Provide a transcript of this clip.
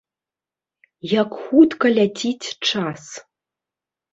Як хутка ляціць час.